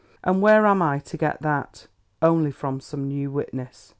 And where am I to get that? Only from some new witness."